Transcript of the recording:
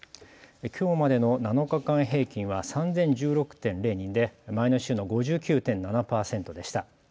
きょうまでの７日間平均は３０１６．０人で前の週の５９．７％でした。